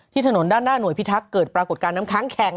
ถนนด้านหน้าหน่วยพิทักษ์เกิดปรากฏการณค้างแข็ง